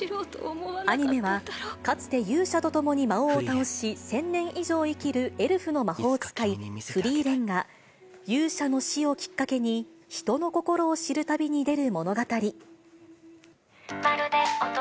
アニメは、かつて勇者と共に魔王を倒し、１０００年以上生きるエルフの魔法使い、フリーレンが、勇者の死をきっかけに、人の心を知る旅に出る物語。